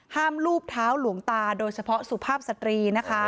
รูปเท้าหลวงตาโดยเฉพาะสุภาพสตรีนะคะ